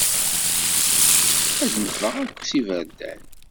Ad d-neffeɣ akk s iberdan.